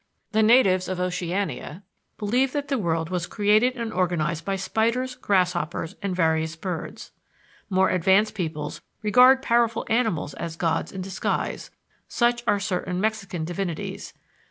The natives of Oceania believe that the world was created and organized by spiders, grasshoppers, and various birds. More advanced peoples regard powerful animals as gods in disguise (such are certain Mexican divinities).